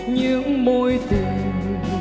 những mối tình